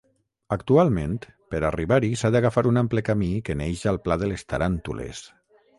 Actualment, per arribar-hi s’ha d’agafar un ample camí que neix al Pla de les Taràntules.